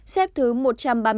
xếp thứ một trăm ba mươi bốn